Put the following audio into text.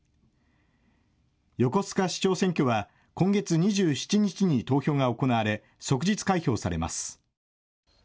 横須賀市長選挙は、今月２７日に投票が行われ、即日開票されます。